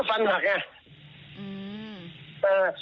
อาทีก็หลักก็ฟันหักไง